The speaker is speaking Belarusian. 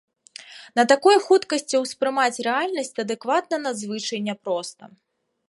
На такой хуткасці ўспрымаць рэальнасць адэкватна надзвычай няпроста.